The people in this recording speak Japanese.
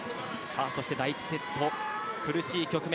第１セット、苦しい局面